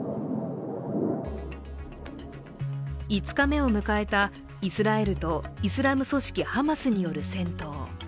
５日目を迎えたイスラエルとイスラム組織ハマスによる戦闘。